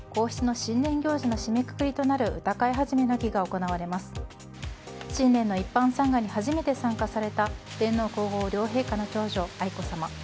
新年の一般参賀に初めて参加された天皇・皇后両陛下の長女愛子さま。